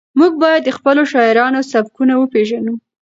موږ باید د خپلو شاعرانو سبکونه وپېژنو.